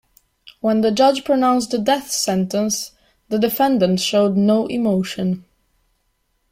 When the judge pronounced the death sentence, the defendant showed no emotion.